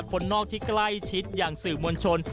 คนนอกที่ใกล้ชิดอย่างสื่อมวลชน